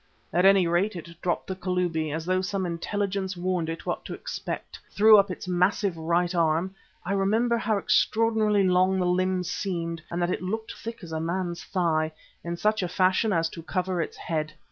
At any rate it dropped the Kalubi, and as though some intelligence warned it what to expect, threw up its massive right arm I remember how extraordinarily long the limb seemed and that it looked thick as a man's thigh in such a fashion as to cover its head.